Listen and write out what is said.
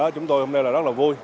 chúng tôi hôm nay rất là vui